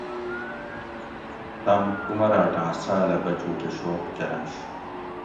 تم کُمراۤٹاۤں ساۤلہ بچوکہۤ شوق کرنش